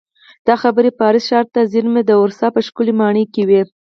دا خبرې پاریس ښار ته څېرمه د ورسا په ښکلې ماڼۍ کې وې